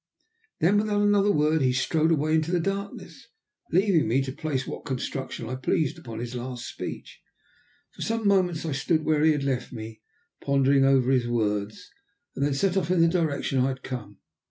Then, without another word, he strode away into the darkness, leaving me to place what construction I pleased upon his last speech. For some moments I stood where he had left me, pondering over his words, and then set off in the direction I had come.